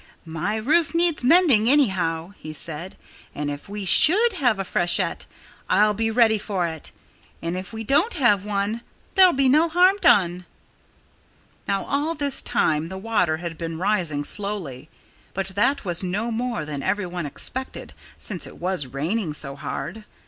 "My roof needed mending, anyhow," he said. "And if we should have a freshet. I'll be ready for it. And if we don't have one, there'll be no harm done." [Illustration: Mr. Crow Called Down the Chimney] Now, all this time the water had been rising slowly. But that was no more than everyone expected, since it was raining so hard.